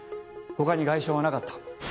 他に外傷はなかった。